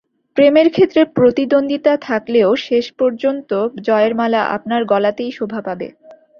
প্রেমের ক্ষেত্রে প্রতিদ্বন্দ্বিতা থাকলেও শেষ পর্যন্ত জয়ের মালা আপনার গলাতেই শোভা পাবে।